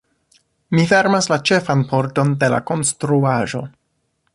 Mi fermas la ĉefan pordon de la konstruaĵo.